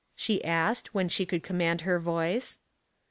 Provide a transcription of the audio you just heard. she asked, when she could command her voice.